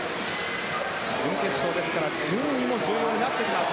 準決勝ですから順位も重要になってきます。